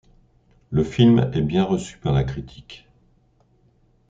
Le film est bien reçu par la critique.